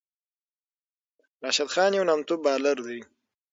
راشد خان یو نامتو بالر دئ.